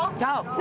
何？